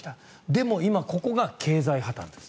でも、今ここが経済破たんです。